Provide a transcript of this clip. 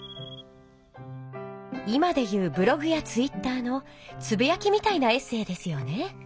今で言うブログやツイッターのつぶやきみたいなエッセーですよね？